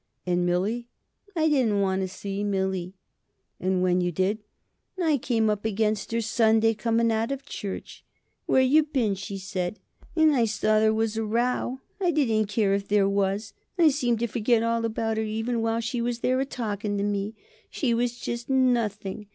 "And Millie?" "I didn't want to see Millie." "And when you did?" "I came up against her Sunday, coming out of church. 'Where you been?' she said, and I saw there was a row. I didn't care if there was. I seemed to forget about her even while she was there a talking to me. She was just nothing.